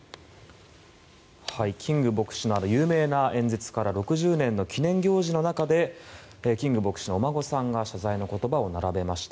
キング牧師の有名な演説から６０年の記念行事の中でキング牧師のお孫さんが謝罪の言葉を並べました。